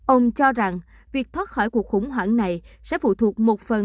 ông cho rằng việc thoát khỏi cuộc khủng hoảng này sẽ phụ thuộc một phần